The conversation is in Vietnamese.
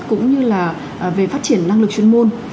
cũng như là về phát triển năng lực chuyên môn